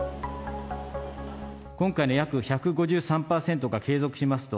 今回の約１５３％が継続しますと、